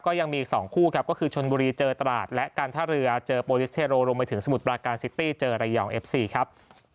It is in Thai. ก็ยังมีอีก๒คู่ครับก็คือชนบุรีเจอตลาดและการท่าเรือเจอโปรลิสเทโรรวมไปถึงสมุทรปราการซิตี้เจอระยองเอฟซีครับ